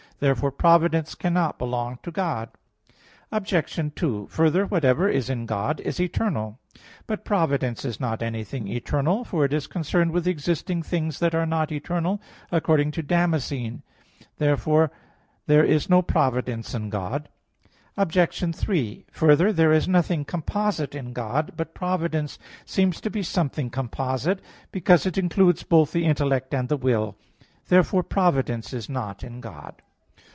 Therefore providence cannot belong to God. Obj. 2: Further, whatever is in God, is eternal. But providence is not anything eternal, for it is concerned with existing things that are not eternal, according to Damascene (De Fide Orth. ii, 29). Therefore there is no providence in God. Obj. 3: Further, there is nothing composite in God. But providence seems to be something composite, because it includes both the intellect and the will. Therefore providence is not in God.